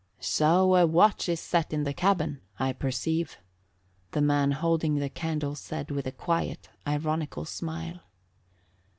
"So a watch is set in the cabin, I perceive," the man holding the candle said with a quiet, ironical smile.